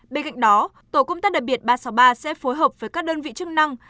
bên cạnh đó tổ công tác đặc biệt ba trăm sáu mươi ba sẽ phối hợp với các đơn vị chức năng